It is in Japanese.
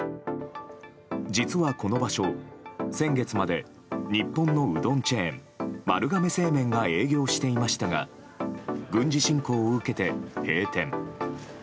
実は、この場所先月まで日本のうどんチェーン丸亀製麺が営業していましたが軍事侵攻を受けて閉店。